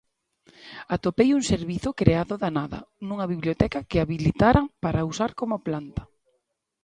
Atopei un servizo creado da nada, nunha biblioteca que habilitaran para usar como planta.